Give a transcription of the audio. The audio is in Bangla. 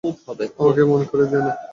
আমাকে মনে করিয়ে দিও না।